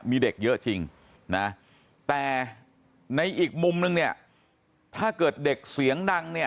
มีเด็กเยอะจริงนะแต่ในอีกมุมนึงเนี่ยถ้าเกิดเด็กเสียงดังเนี่ย